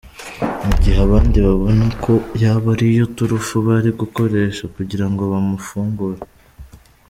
mu gihe abandi babona ko yaba ariyo turufu bari gukoresha kugirango bamufungure.